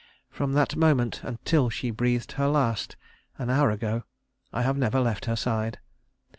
From that moment until she breathed her last an hour ago I have never left her side.